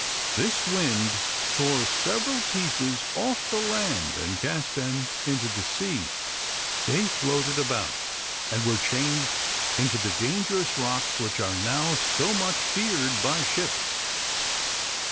This wind tore several pieces off the land and cast them into the sea. They floated about and were changed into the dangerous rocks which are now so much feared by ships.